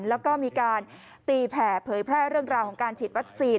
แล้วก็มีการตีแผ่เผยแพร่เรื่องราวของการฉีดวัคซีน